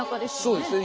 そうですね。